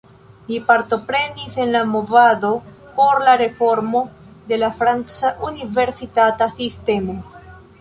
Li partoprenis en la movado por la reformo de la franca universitata sistemo.